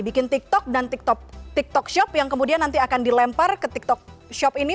bikin tiktok dan tiktok shop yang kemudian nanti akan dilempar ke tiktok shop ini